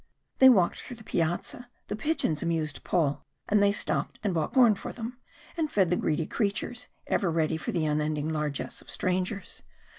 They walked through the Piazza; the pigeons amused Paul, and they stopped and bought corn for them, and fed the greedy creatures, ever ready for the unending largess of strangers.